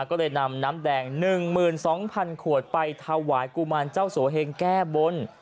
ก็เลยนำน้ำแดง๑๒๐๐๐ขวดไปถวายกุมารเจ้าโสเฮงแก้บน